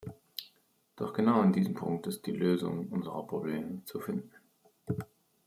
Doch genau in diesem Punkt ist die Lösung unserer Probleme zu finden.